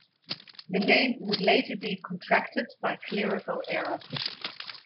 The name would later be contracted by clerical error.